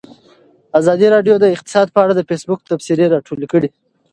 ازادي راډیو د اقتصاد په اړه د فیسبوک تبصرې راټولې کړي.